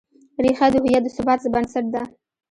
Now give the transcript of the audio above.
ریښه د هویت د ثبات بنسټ ده.